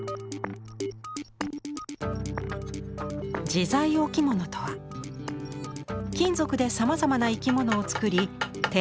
自在置物とは金属でさまざまな生き物を作り手脚